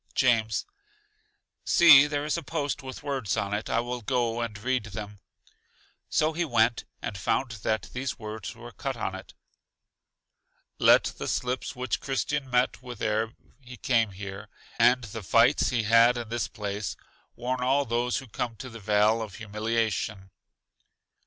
James: See, there is a post with words on it, I will go and read them. So he went, and found that these words were cut on it: Let the slips which Christian met with ere he came here, and the fights he had in this place, warn all those who come to the Vale of Humiliation.